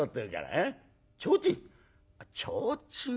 えっちょうちん？